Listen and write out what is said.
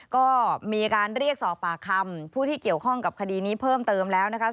ก็มีการเรียกสอบปากคำผู้ที่เกี่ยวข้องกับคดีนี้เพิ่มเติมแล้วนะคะ